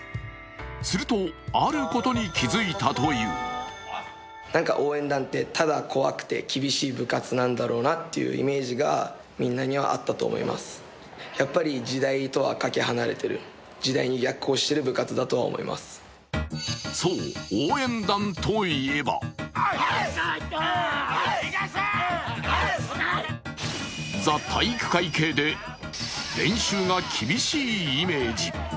すると、あることに気付いたというそう、応援団といえばザ・体育会系で練習が厳しいイメージ。